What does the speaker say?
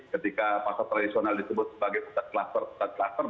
ketika pasar tradisional disebut sebagai peta peta